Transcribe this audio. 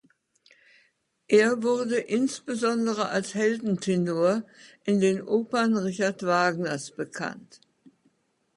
Er wurde insbesondere als Heldentenor in den Opern Richard Wagners bekannt.